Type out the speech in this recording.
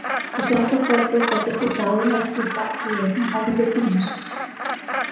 Su santo cuerpo está sepultado en la estupa, que es un jardín de pinos.